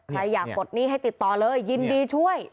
ใครอยากปลดหนี้ให้ติดต่อเลยยินดีช่วย